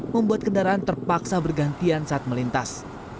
membuat kendaraan terpaksa bergantian saat melintas